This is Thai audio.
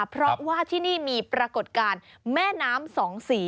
เพราะว่าที่นี่มีปรากฏการณ์แม่น้ำสองสี